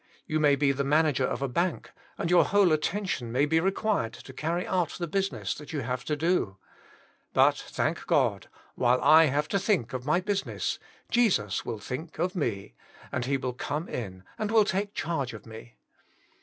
You ma}'' be the manager of a bank, and your whole attention may be required to carry out the business that you have to do. But thank God, while I have to think of my business, Jesus will think of me, and He will come in and will take charge of me.